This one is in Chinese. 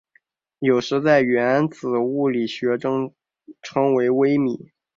有时在原子物理学中称为微微米。